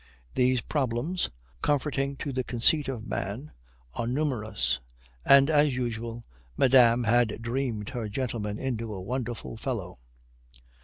These problems, comforting to the conceit of man, are numerous. And, as usual, madame had dreamed her gentleman into a wonderful fellow.